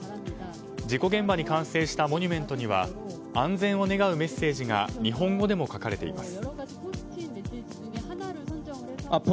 事故現場に完成したモニュメントには安全を願うメッセージが日本語でも書かれています。